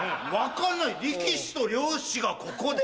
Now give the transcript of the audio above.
力士と漁師がここで？